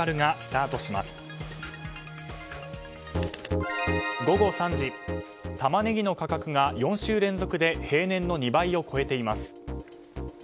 タマネギの価格が４週連続で平年の２倍を超えています。